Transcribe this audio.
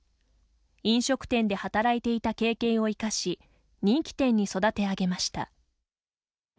飲食店で働いていた経験を生かし人気店に育て上げました。